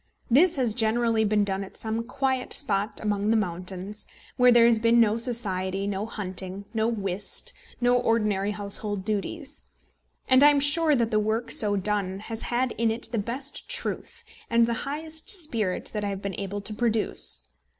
This has generally been done at some quiet spot among the mountains, where there has been no society, no hunting, no whist, no ordinary household duties. And I am sure that the work so done has had in it the best truth and the highest spirit that I have been able to produce.